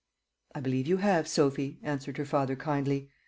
"I believe you have, Sophy," answered her father kindly.